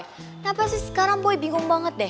kenapa sih sekarang boy bingung banget deh